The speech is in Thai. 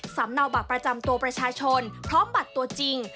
สำเนาบัตรประจำตัวประชาชนพร้อมบัตรตัวจริง